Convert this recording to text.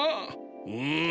うん。